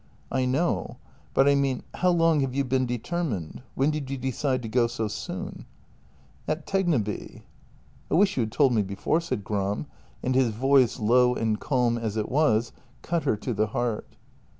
" I know. But I mean how long have you been determined — when did you decide to go so soon? "" At Tegneby." JENNY 229 " I wish you had told me before," said Gram, and his voice, low and calm as it was, cut her to the heart.